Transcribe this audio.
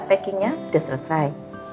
packingnya sudah selesai